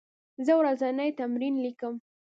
زه ورځنی تمرین لیکم.